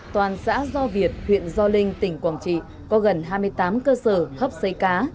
toàn xã do việt huyện do linh tỉnh quảng trị có gần hai mươi tám cơ sở hấp xấy cá